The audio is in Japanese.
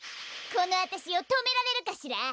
このあたしをとめられるかしら？